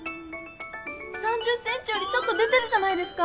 ３０センチよりちょっと出てるじゃないですか！